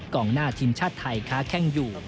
งหน้าทีมชาติไทยค้าแข้งอยู่